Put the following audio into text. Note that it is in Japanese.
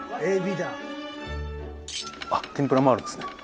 あっ天ぷらもあるんですね。